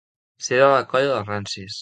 Ser de la colla dels rancis.